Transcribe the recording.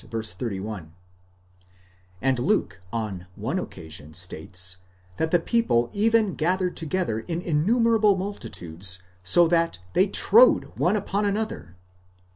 31); and Luke on one occasion states, that the people even gathered together in innumerable multitudes so that ¢hey trode one upon another (xii.